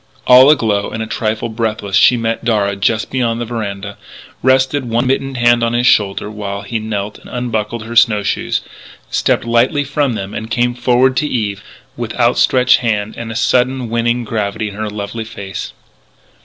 All aglow and a trifle breathless, she met Darragh just beyond the veranda, rested one mittened hand on his shoulder while he knelt and unbuckled her snow shoes, stepped lightly from them and came forward to Eve with out stretched hand and a sudden winning gravity in her lovely face.